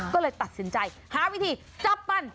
ก็เลยตัดสินใจหาวิธีจับมัน